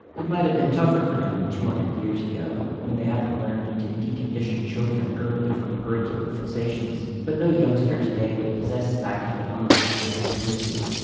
It might have been tougher for him 200 years ago, when they hadn't learned to decondition children early from parental fixations. But no youngster today would possess that kind of unwholesome dependency.